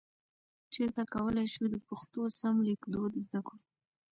چیرته کولای شو د پښتو سم لیکدود زده کړو؟